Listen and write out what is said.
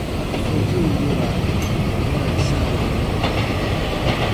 Sɔ̃tin yora ya ra n sãawa wɔ̃ka.